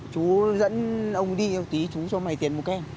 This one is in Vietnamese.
chú dẫn ông đi một tí chú cho mày tiền một cái